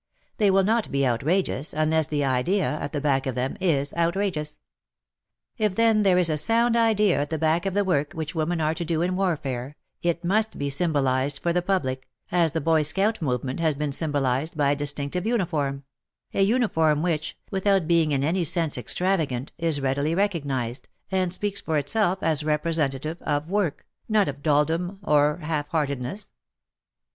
They will not be outrageous unless the Idea at the back of them is outrageous. If then there is a sound Idea at the back of the work which women are to do in warfare, it must be symbolized for the public, as the Boy Scout Movement has been symbolized, by a distinctive uniform — a uniform which, without being in any sense extravagant, is readily recognized and speaks for itself as representative of wo7^ky not of dolldom or half heartedness.